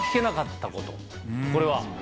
これは？